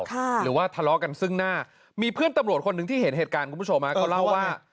หรือว่าทะเลาะกันซึ่งหน้ามีเพื่อนตำรวจคนหนึ่งที่เห็นเหตุการณ์คุณผู้ชมฮะเขาเล่าว่า